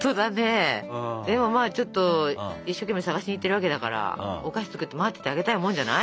でもまあちょっと一生懸命探しに行ってるわけだからお菓子作って待っててあげたいもんじゃない？